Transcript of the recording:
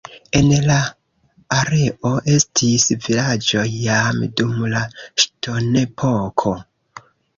En la areo estis vilaĝoj jam dum la ŝtonepoko.